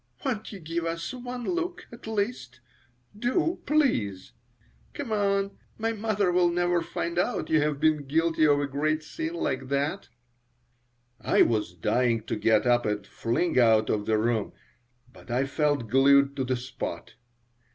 "Won't you give us one look, at least? Do, please! Come, my mother will never find out you have been guilty of a great sin like that." I was dying to get up and fling out of the room, but I felt glued to the spot.